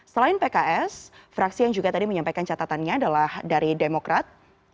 selain pks fraksi yang juga tadi menyampaikan catatannya adalah dari demokrat